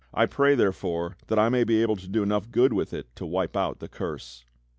I pray, therefore, that I may be able to do enough good with it to wipe out the curse."